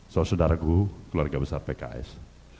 soal saudara gue keluarga besar pks